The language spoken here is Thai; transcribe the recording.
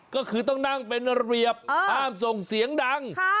ก็คือต้องนั่งเป็นระเบียบห้ามส่งเสียงดัง